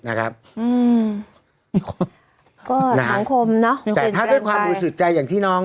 นะครับอืมก็สังคมเนอะแต่ถ้าด้วยความบริสุทธิ์ใจอย่างที่น้อง